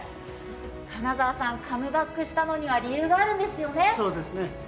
金澤さん、カムバックしたのには理由があるんですよね？